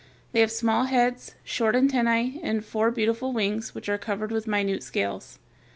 They have small heads (Fig. 230), short antennæ, and four beautiful wings which are covered with minute scales.